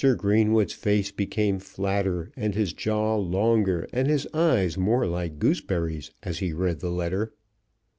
Greenwood's face became flatter, and his jaw longer, and his eyes more like gooseberries as he read the letter.